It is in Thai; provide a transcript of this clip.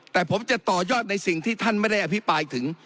แต่ผมจะต่อยอดในสิ่งที่ท่านไม่ได้อภิปรายถึง